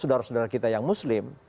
jadi saya rasa ini adalah salah yang muslim